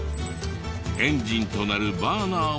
エンジンとなるバーナーを取り付け。